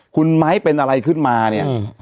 คุณไม้เป็นอะไรขึ้นมาเนี่ย